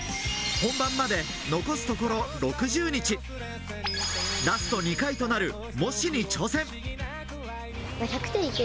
本番まで残すところ６０日、ラスト２回となる模試に挑戦。